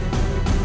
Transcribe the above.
aku mau ke rumah